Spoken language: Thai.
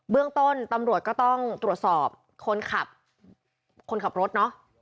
เบื้องต้นตำรวจก็ต้องตรวจสอบคนขับรถเนอะ